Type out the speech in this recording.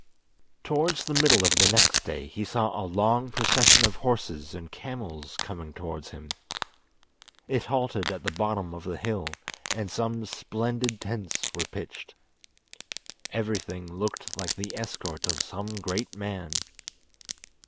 Towards the middle of the next day he saw a long procession of horses and camels coming towards him. It halted at the bottom of the hill, and some splendid tents were pitched. Everything looked like the escort of some great man.